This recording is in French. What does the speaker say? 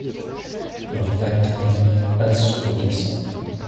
Un vacarme assourdissant.